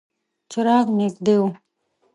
څراغ نږدې و.